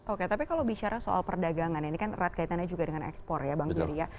oke tapi kalau bicara soal perdagangan ini kan erat kaitannya juga dengan ekspor ya bang jerry ya